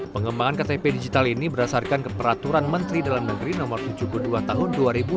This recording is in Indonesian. pengembangan ktp digital ini berdasarkan keperaturan menteri dalam negeri no tujuh puluh dua tahun dua ribu dua puluh